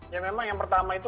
ya memang yang pertama itu